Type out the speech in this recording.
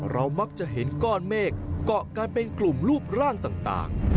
มักจะเห็นก้อนเมฆเกาะกันเป็นกลุ่มรูปร่างต่าง